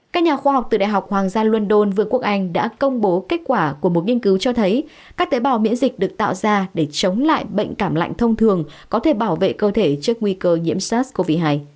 các nhà khoa học từ đại học hoàng gia london vương quốc anh đã công bố kết quả của một nghiên cứu cho thấy các tế bào miễn dịch được tạo ra để chống lại bệnh cảm lạnh thông thường có thể bảo vệ cơ thể trước nguy cơ nhiễm sars cov hai